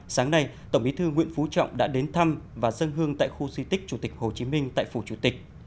sáng nay tổng bí thư nguyễn phú trọng đã đến thăm và dân hương tại khu di tích chủ tịch hồ chí minh tại phủ chủ tịch